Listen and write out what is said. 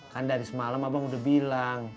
kan dari semalam abang udah bilang